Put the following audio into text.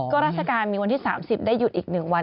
ก็ราชการมีวันที่๓๐ได้หยุดอีก๑วัน